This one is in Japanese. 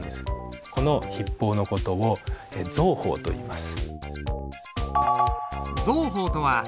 この筆法の事を蔵鋒といいます。